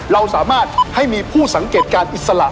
เราสามารถให้มีผู้สังเกตการณ์อิสระ